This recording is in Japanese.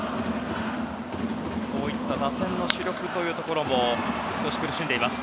そういった打線の主力というところも少し苦しんでいます。